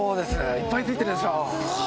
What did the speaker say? いっぱい付いてるでしょう。